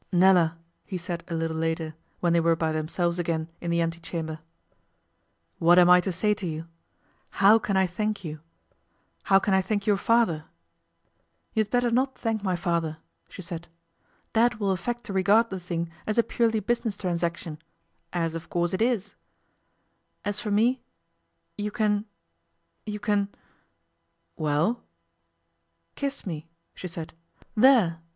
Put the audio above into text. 'Nella,' he said a little later, when they were by themselves again in the ante chamber, 'what am I to say to you? How can I thank you? How can I thank your father?' 'You had better not thank my father,' she said. 'Dad will affect to regard the thing as a purely business transaction, as, of course, it is. As for me, you can you can ' 'Well?' 'Kiss me,' she said. 'There!